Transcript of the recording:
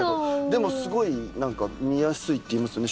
でもすごい見やすいっていいますよね